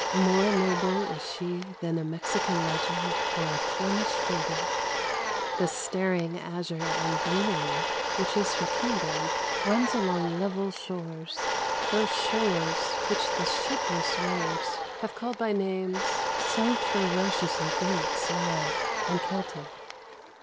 More noble is she than a M nd or a Flemish fabl< :ig azure and greener v winch is her kingdom runs along level shores, those shores which the shipless wa\ called 1>\ nam. < so ferociously Greek, Slav and Celtic.